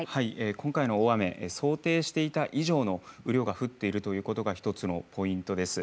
今回の大雨、想定していた以上の雨量が降っているということが１つのポイントです。